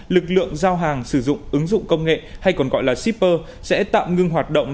lực lượng giao hàng sử dụng ứng dụng công nghệ hay còn gọi là shipper sẽ tạm ngưng hoạt động